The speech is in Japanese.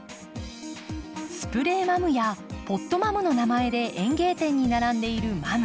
スプレーマムやポットマムの名前で園芸店に並んでいるマム。